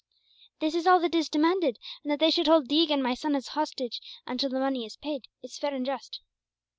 This is all that is demanded; and that they should hold Deeg and my son as a hostage, until the money is paid, is fair and just."